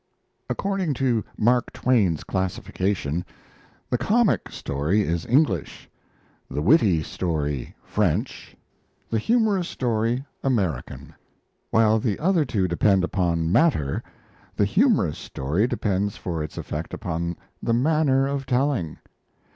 According to Mark Twain's classification, the comic story is English, the witty story French, the humorous story American. While the other two depend upon matter, the humorous story depends for its effect upon the manner of telling.